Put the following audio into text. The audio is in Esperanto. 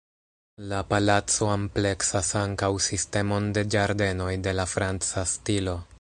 La palaco ampleksas ankaŭ sistemon de ĝardenoj de la franca stilo.